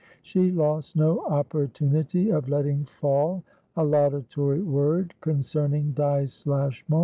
She lost no opportunity of letting fall a laudatory word concerning Dyce Lashmar.